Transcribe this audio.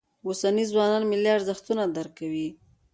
اوسني ځوانان ملي ارزښتونه درک کوي.